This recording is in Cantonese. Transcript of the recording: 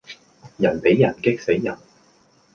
人比人激死人